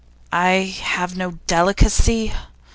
I have no delicacy?